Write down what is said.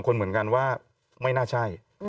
คนเหมือนกันว่าไม่น่าใช่